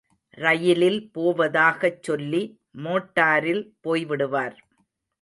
ரயிலில் போவதாகச் சொல்லி மோட்டாரில் போய்விடுவார்.